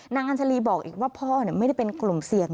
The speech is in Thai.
อัญชาลีบอกอีกว่าพ่อไม่ได้เป็นกลุ่มเสี่ยง